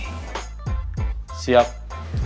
kalau ditunggu pasti lama